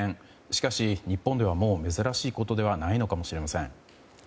しかし、日本ではもう珍しいことではないのかもしれません。